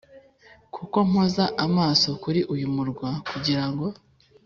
Kuko mpoza amaso kuri uyu murwa kugira ngo